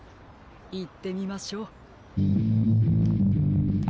いってみましょう。